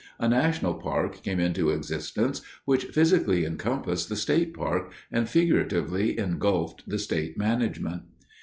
A national park came into existence which physically encompassed the state park and figuratively engulfed the state management.